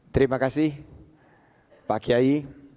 terima kasih pak kiai